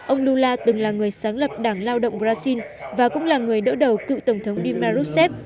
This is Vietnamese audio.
ông lula từng là người sáng lập đảng lao động brazil và cũng là người đỡ đầu cựu tổng thống di marussev